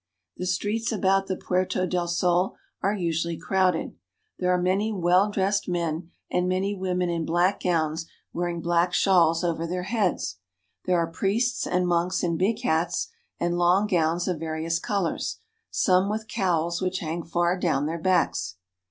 The streets about the Puerto del Sol are usually crowded. There are many well dressed men and many women in black gowns wearing black shawls over their heads. There are priests and monks in big hats and long gowns of various colors, some with cowls which hang far down their backs.